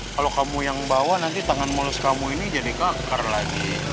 kalau kamu yang bawa nanti tangan mulus kamu ini jadi keakar lagi